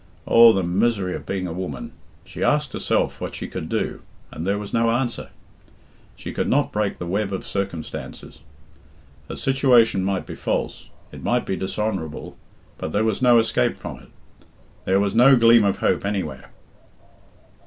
Oh, the misery of being a woman! She asked herself what she could do, and there was no answer. She could not break the web of circumstances. Her situation might be false, it might be dishonourable, but there was no escape from it. There was no gleam of hope anywhere.